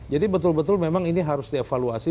jadi betul betul memang ini harus dievaluasi